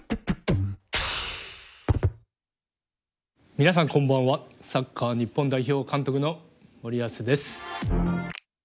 皆さんこんばんはサッカー日本代表監督の森保です。